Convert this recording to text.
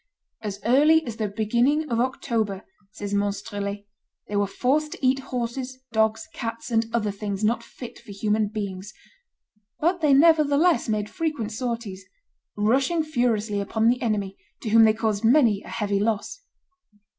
"As early as the beginning of October," says Monstrelet, "they were forced to eat horses, dogs, cats, and other things not fit for human beings;" but they nevertheless made frequent sorties, "rushing furiously upon the enemy, to whom they caused many a heavy loss."